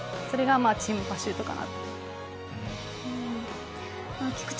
それがチームパシュートかなと。